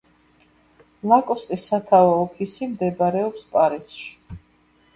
ლაკოსტის სათაო ოფისი მდებარეობს პარიზში.